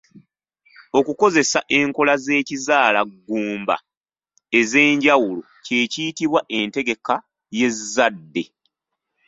Okukozesa enkola z'ekizaalaggumba ez'enjawulo kye kiyitibwa entegeka y'ezzadde